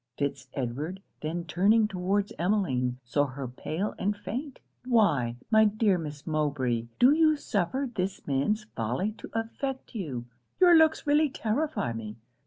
Fitz Edward, then turning towards Emmeline, saw her pale and faint. 'Why, my dear Miss Mowbray, do you suffer this man's folly to affect you? Your looks really terrify me!'